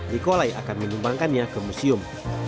nikolai akan menyumbangkannya ke museum